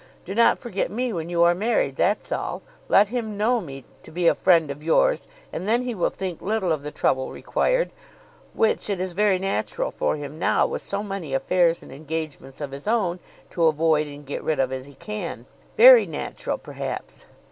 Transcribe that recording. Do not forget me when you are married, that's all. Let him know me to be a friend of yours, and then he will think little of the trouble required, which it is very natural for him now, with so many affairs and engagements of his own, to avoid and get rid of as he can; very natural, perhaps.